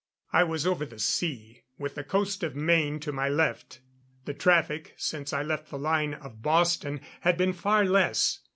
I was over the sea, with the coast of Maine to my left. The traffic, since I left the line of Boston, had been far less.